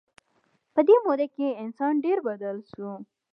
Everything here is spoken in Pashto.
په دې موده کې انسان ډېر بدل شو.